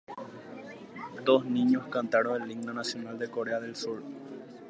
Dos niños cantaron el Himno Nacional de Corea del Sur.